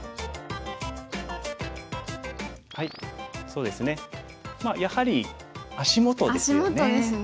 そうですねやはり足元ですよね。